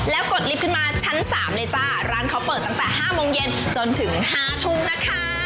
แล้วกดลิฟต์ขึ้นมาชั้นสามเลยจ้าร้านเขาเปิดตั้งแต่๕โมงเย็นจนถึงห้าทุ่มนะคะ